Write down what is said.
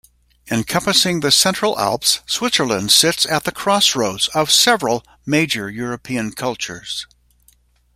Encompassing the Central Alps, Switzerland sits at the crossroads of several major European cultures.